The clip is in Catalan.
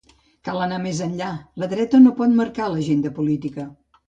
“Cal anar més enllà, la dreta no pot marcar l’agenda política”.